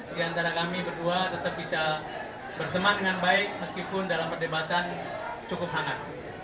di antara kami berdua tetap bisa berteman dengan baik meskipun dalam perdebatan cukup hangat